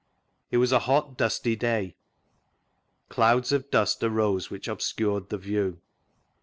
It was a hot, dusty day; clouds of dust arose which obscured the view.